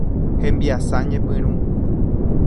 Hembiasa ñepyrũ.